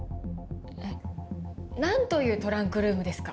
何というトランクルームですか？